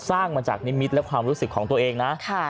สร้างมาจากนิมิตรและความรู้สึกของตัวเองนะ